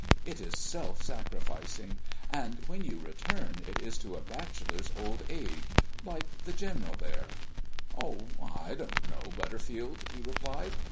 It is self sacrificing; and when you return, it is to a bachelor's old age, like the general there." "Oh, I don't know, Butterfield," he replied.